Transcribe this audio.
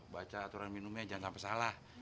baca aturan minumnya jangan sampai salah